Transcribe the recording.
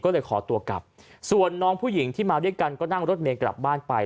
ก็เลยขอตัวกลับส่วนน้องผู้หญิงที่มาด้วยกันก็นั่งรถเมย์กลับบ้านไป